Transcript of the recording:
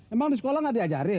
emang di sekolah gak diajarin